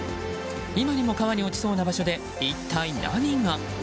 今にも川に落ちそうな場所で一体何が？